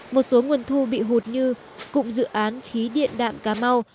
một số nguồn thu bị hụt như cụm dự án khí điện đạm cà mau